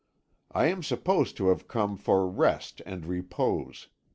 "I am supposed to have come for rest and repose.